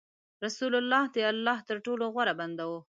رسول الله د الله تر ټولو غوره بنده و.